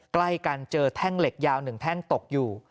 ใกล้กันเจอแท่งเหล็กยาว๑แท่งตกอยู่